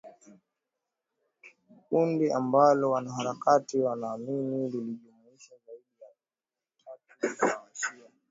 kundi ambalo wanaharakati wanaamini lilijumuisha zaidi ya tatu za washia